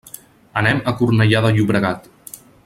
Anem a Cornellà de Llobregat.